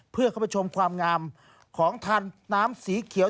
เพื่อเข้าไปชมความงามของทานน้ำสีเขียว